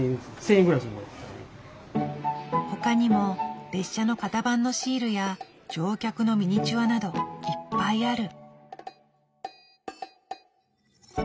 ほかにも列車の型番のシールや乗客のミニチュアなどいっぱいある。